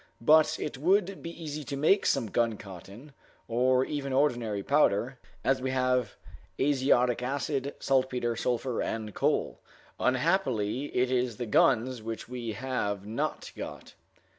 But it would be easy to make some guncotton, or even ordinary powder, as we have azotic acid, saltpeter, sulphur, and coal. Unhappily, it is the guns which we have not got.